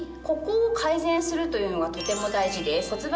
ここを改善するというのがとても大事です。